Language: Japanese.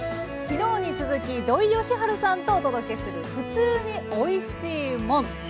昨日に続き土井善晴さんとお届けする「ふつうにおいしいもん」。